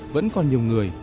vẫn còn nhiều người